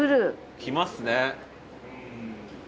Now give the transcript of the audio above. きますね。